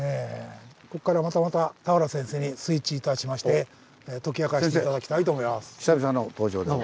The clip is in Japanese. こっからまたまた田原先生にスイッチいたしまして解き明かして頂きたいと思います。